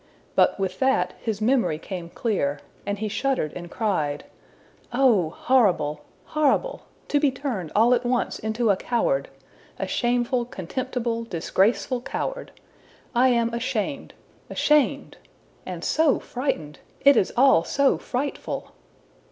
But with that his memory came clear, and he shuddered and cried, ``Oh, horrible! horrible! to be turned all at once into a coward! a shameful, contemptible, disgraceful coward! I am ashamed ashamed and so frightened! It is all so frightful!''